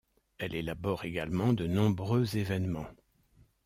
Elle élabore également de nombreux événements.